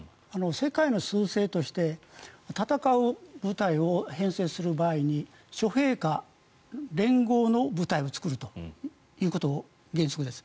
世界のすう勢として戦う部隊を編成する場合に諸兵科連合の部隊を作るということが原則です。